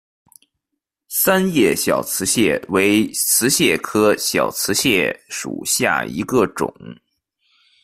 三叶小瓷蟹为瓷蟹科小瓷蟹属下的一个种。